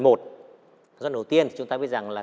giai đoạn đầu tiên chúng ta biết rằng là